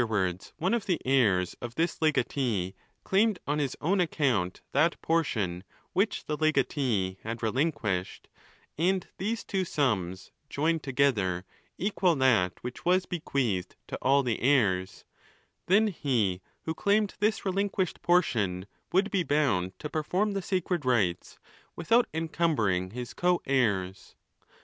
wards one of the heirs of this legatee claimed on his own account that portion which the legatee had relinquished, and these two sums, joined together, equal that which was be queathed to all the heirs; then he who claimed this relin quished portion would be bound to perform the sacred rites, | without encumbering his co heirs.